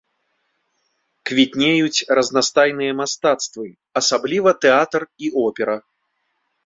Квітнеюць разнастайныя мастацтвы, асабліва тэатр і опера.